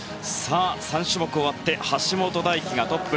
３種目終わって橋本大輝がトップ。